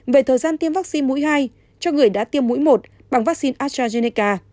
về thời gian tiêm vaccine mũi hai cho người đã tiêm mũi một bằng vaccine astrazeneca